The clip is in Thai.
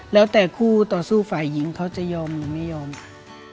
แล้วแต่คู่ต่อสู้ฝ่ายหญิงเขาจะยอมหรือไม่ยอมค่ะ